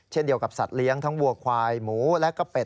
เช่นเดียวกับสัตว์เลี้ยงทั้งวัวควายหมูและก็เป็ด